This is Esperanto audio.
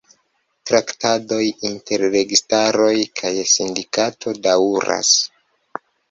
Traktadoj inter registaro kaj sindikato daŭras.